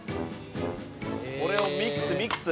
これをミックスミックス。